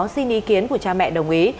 xin ý kiến của cha mẹ đồng ý